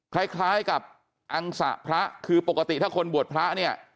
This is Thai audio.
คล้ายกับอังสะพระคือปกติถ้าคนบวชพระเนี่ย